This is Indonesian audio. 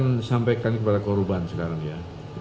saya ingin sampaikan kepada korban sekarang ya